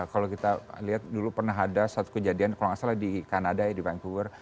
kalau kita lihat dulu pernah ada satu kejadian kalau nggak salah di kanada ya di vancouver